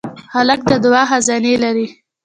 هلک د دعا خزانې لري.